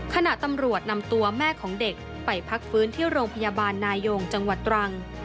ขณะตำรวจนำตัวแม่ของเด็กไปพักฟื้นที่โรงพยาบาลนายงจังหวัดตรัง